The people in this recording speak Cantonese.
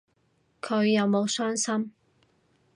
佢有冇傷心